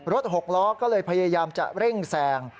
หกล้อก็เลยพยายามจะเร่งแซง